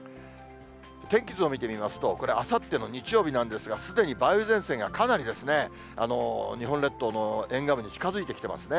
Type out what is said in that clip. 天気図を見てみますと、これ、あさっての日曜日なんですが、すでに梅雨前線がかなり、日本列島の沿岸部に近づいてきてますね。